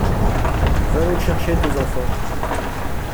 Va donc chercher tes enfants.